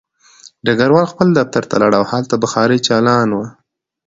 ډګروال خپل دفتر ته لاړ او هلته بخاري چالان وه